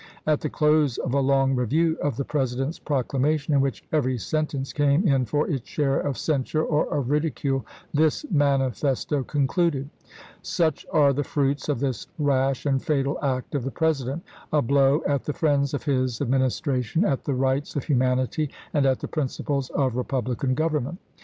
At the close of a long review of the President's proclamation, in which every sentence came in for its share of censure or of ridicule, this manifesto concluded :" Such are the fruits of this rash and fatal act of the President — a blow at the friends of his Ad ministration, at the rights of humanity, and at the principles of republican government.